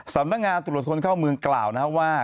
สำนักงานตรวจคนเข้าเมืองกล่าวนะครับว่า